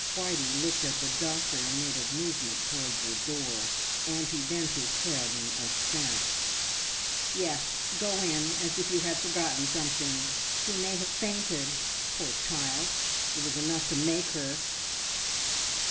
Whitey looked at the doctor and made a movement towards the door, and he bent his head in assent. "Yes! Go in as if you had forgotten something. She may have fainted. Poor child, it was enough to make her!"